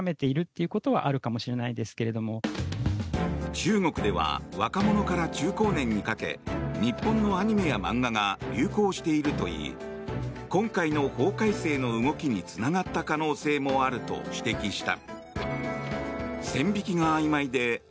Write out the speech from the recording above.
中国では若者から中高年にかけ日本のアニメや漫画が流行しているといい今回の法改正の動きにつながった可能性もあると指摘した。